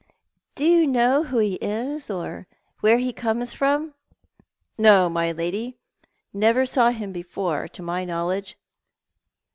" Do you know who he is, or where he comes from?" "No, my lady. Never saw iiini before, to my knowledge."